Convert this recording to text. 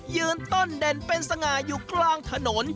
ยืนต้นเด่นเป็นสง่าอยู่กลางถนน